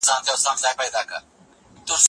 تعلیم د نړۍ د کلتوري تنوع د برابروالي لامل کیږي.